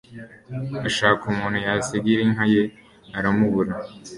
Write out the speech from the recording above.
ashaka umuntu yasigira inka ye aramubura